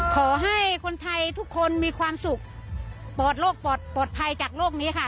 ขอให้คนไทยทุกคนมีความสุขปลอดโรคปอดปลอดภัยจากโรคนี้ค่ะ